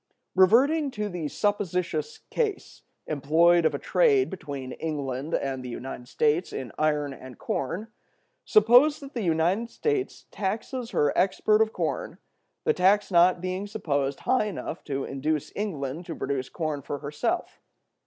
Reverting to the supposititious case employed of a trade between England and the United States in iron and corn, suppose that the United States taxes her export of corn, the tax not being supposed high enough to induce England to produce corn for herself.